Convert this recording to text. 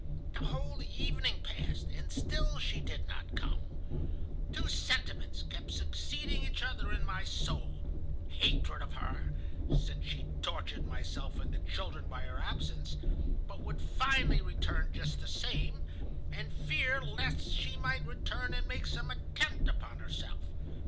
The whole evening passed, and still she did not come. Two sentiments kept succeeding each other in my soul,—hatred of her, since she tortured myself and the children by her absence, but would finally return just the same, and fear lest she might return and make some attempt upon herself.